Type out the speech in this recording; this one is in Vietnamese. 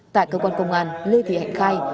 tại cơ quan công an lê thị hạnh khai